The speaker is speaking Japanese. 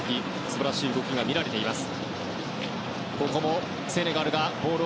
素晴らしい動きが見られています。